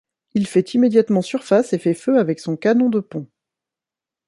Il fait immédiatement surface et fait feu avec son canon de pont.